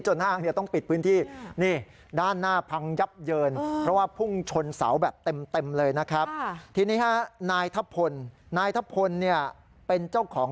จนฮ่างเนี่ยต้องปิดพื้นที่นี่ด้านหน้าพังยับเยิน